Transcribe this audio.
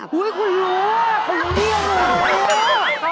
อุ๊ยคุณรู้คุณเรียกเลย